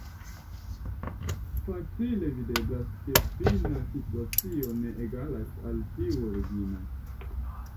Facile videblas, ke fina situacio ne egalas al tiu origina.